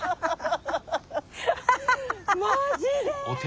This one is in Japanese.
マジで？